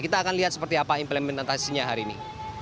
kita akan lihat seperti apa implementasinya hari ini